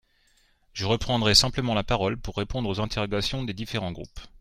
Je reprendrai simplement la parole pour répondre aux interrogations des différents groupes.